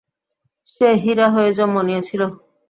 সে হীরা হয়ে জন্ম নিয়েছিল।